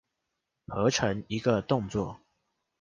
合成一個動作